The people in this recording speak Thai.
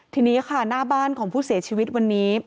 ทีนี้ค่ะหน้าบ้านของผู้เสียชีวิตวันนี้